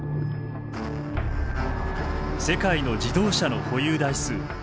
世界の自動車の保有台数。